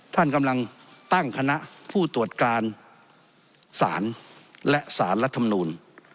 ท่านกำลังตั้งคณะผู้ตรวจการศาลและสารรัฐมนูล